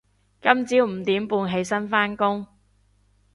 今朝五點半起身返工